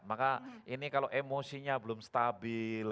maka ini kalau emosinya belum stabil